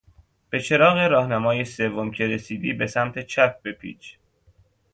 به چراغ راهنمای سوم که رسیدی به سمت چپ بپیچ.